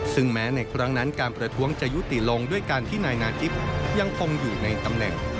ซึ่งแม้ในครั้งนั้นการประท้วงจะยุติลงด้วยการที่นายนาจิปยังคงอยู่ในตำแหน่ง